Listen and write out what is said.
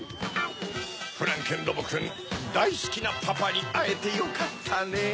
フランケンロボくんだいすきなパパにあえてよかったねぇ。